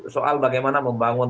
soal bagaimana membangun